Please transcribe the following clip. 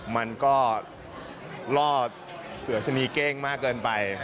มันก็ล่อเสือสนีเก้งมากเกินไป